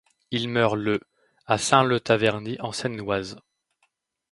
Il meurt le à Saint-Leu-Taverny en Seine-et-Oise.